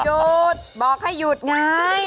หยุดบอกให้หยุดไง